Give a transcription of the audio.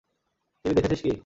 TV দেখেছিস কি?